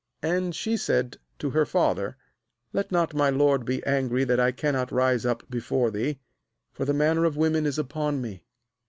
35And she said to her father: 'Let not my lord be angry that I eannot rise up before thee; for the manner of women is upon me.